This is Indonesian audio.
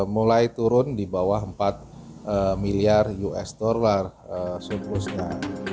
mulai turun di bawah empat miliar usd surplusnya